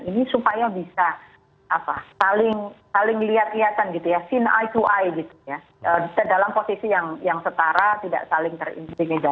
ini supaya bisa saling lihat lihatan gitu ya scene eye to eye gitu ya dalam posisi yang setara tidak saling terintimidasi